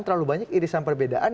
terlalu banyak irisan perbedaan